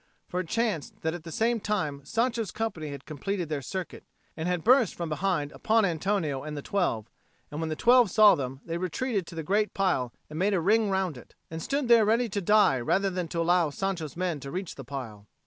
For it chanced that at the same time Sancho's company had completed their circuit, and had burst from behind upon Antonio and the twelve. And when the twelve saw them, they retreated to the great pile and made a ring round it, and stood there ready to die rather than allow Sancho's men to reach the pile.